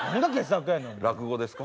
落語ですか？